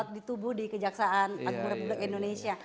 ditubuh di kejaksaan agung republik indonesia